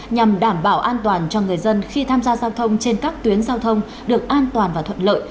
nhằm đảm bảo an toàn cho người dân khi tham gia giao thông trên các tuyến giao thông được an toàn và thuận lợi